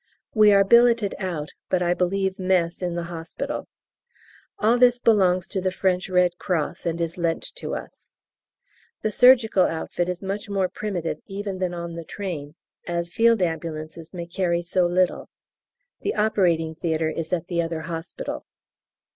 We are billeted out, but I believe mess in the hospital. All this belongs to the French Red Cross, and is lent to us. The surgical outfit is much more primitive even than on the train, as F.A.'s may carry so little. The operating theatre is at the other hospital.